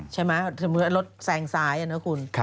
ใช่มั้ยรถแซงซ้ายเนอะคุณ